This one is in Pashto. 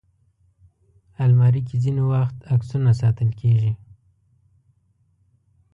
الماري کې ځینې وخت عکسونه ساتل کېږي